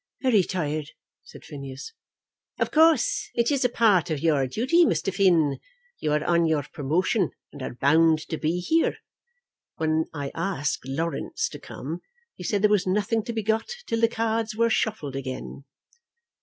"Very tired," said Phineas. "Of course it is a part of your duty, Mr. Finn. You are on your promotion and are bound to be here. When I asked Laurence to come, he said there was nothing to be got till the cards were shuffled again."